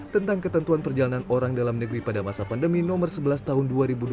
tentang ketentuan perjalanan orang dalam negeri pada masa pandemi nomor sebelas tahun dua ribu dua puluh